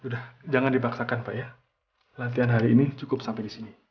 udah jangan dibaksakan pak ya latihan hari ini cukup sampai disini